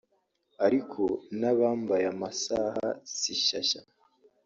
Ariko n’abambaye amasaha si shyashya